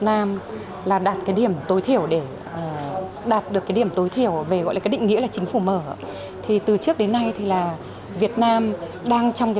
nam đạt được điểm tối thiểu về định nghĩa chính phủ mở từ trước đến nay việt nam đang trong